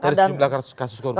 dari jumlah kasus korupsi